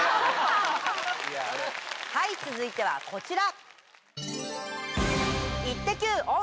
はい続いてはこちら！